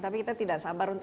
tapi kita tidak sabar